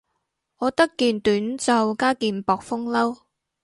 我得件短袖加件薄風褸